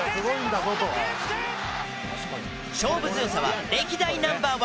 勝負強さは歴代ナンバー１。